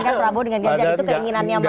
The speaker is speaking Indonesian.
kan prabowo dengan ganjar itu keinginannya mas